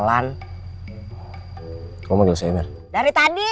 tanpa kejangka nama mau disini